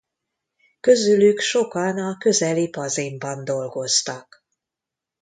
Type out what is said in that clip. Közülük sokan a közeli Pazinban dolgoztak.